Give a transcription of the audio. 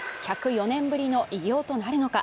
１０４年ぶりの偉業となるのか